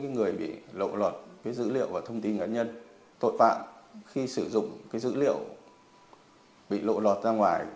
người bị lộ lọt dữ liệu và thông tin cá nhân tội phạm khi sử dụng dữ liệu bị lộ lọt ra ngoài